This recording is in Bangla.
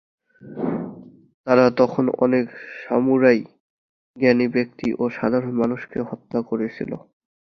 তারা তখন অনেক সামুরাই, জ্ঞানী ব্যক্তি ও সাধারণ মানুষকে হত্যা করেছিল।